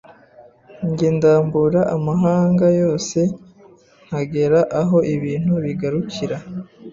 njye ndambura amahanga yose nkagera aho ibintu bigarukira,